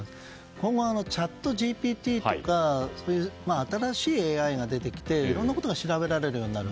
今後チャットＧＰＴとかそういう新しいＡＩが出てきていろんなことが調べられるようになる。